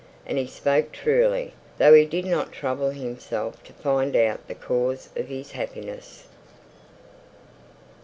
And he spoke truly, though he did not trouble himself to find out the cause of his happiness.